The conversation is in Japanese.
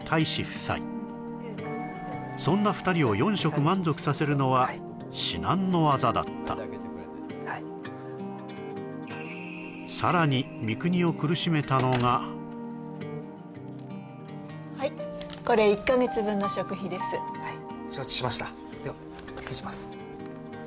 そんな２人を４食満足させるのは至難の業だったさらに三國を苦しめたのがはいこれ１か月分の食費ですはい承知しましたでは失礼します